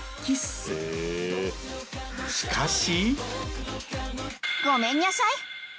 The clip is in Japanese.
しかし。